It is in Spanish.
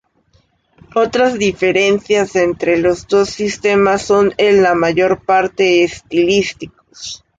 Otras diferencias entre los dos sistemas son en la mayor parte estilísticos.